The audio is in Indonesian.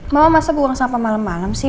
mama masa buang sampah malem malem sih